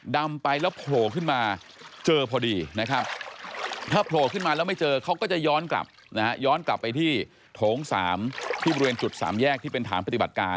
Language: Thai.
ดำไปแล้วโผล่ขึ้นมาเจอพอดีนะครับ